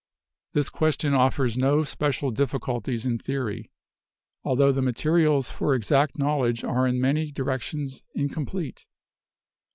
This question offers no special diffi culties in theory, altho the materials for exact knowledge are in many directions incomplete.